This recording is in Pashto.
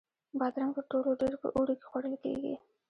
بادرنګ تر ټولو ډېر په اوړي کې خوړل کېږي.